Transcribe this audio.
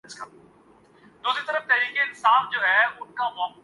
لیکن ٹانکا لگانا کوئی ان سے سیکھے۔